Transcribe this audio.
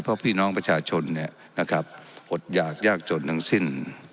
เพราะพี่น้องประชาชนอดหยากยากจนทั้งสิ้น